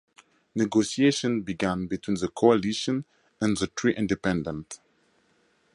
Negotiations began between the Coalition and the three independents.